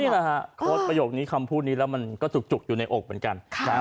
นี่แหละครับโค้ดประโยคนี้คำพูดนี้แล้วมันก็จุกอยู่ในอกเหมือนกัน